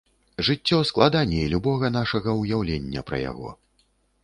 Жыццё складаней любога нашага ўяўлення пра яго.